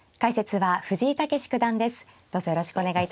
はい。